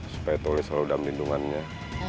supaya tulis selalu dalam lindungannya